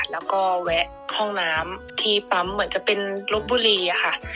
แล้วก็แวะห้องน้ำที่ปั๊มเหมือนจะเป็นลบบุรีอะค่ะ